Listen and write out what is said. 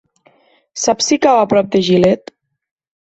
Saps si cau a prop de Gilet?